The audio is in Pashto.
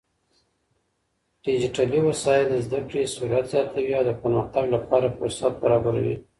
ډيجيټلي وسايل زده کړې سرعت زياتوي او د پرمختګ لپاره فرصت برابروي.